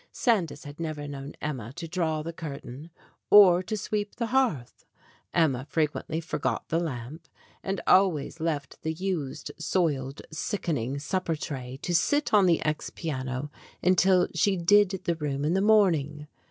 Sandys had never known Emma to draw the curtain or to sw r eep the hearth. Emma frequently forgot the lamp, and always left the used, soiled, sickening supper tray to sit on the ex piano until she "did" the room in the morning.